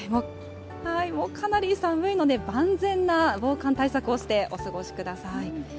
かなり寒いので、万全な防寒対策をしてお過ごしください。